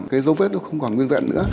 cái dấu vết nó không còn nguyên vẹn nữa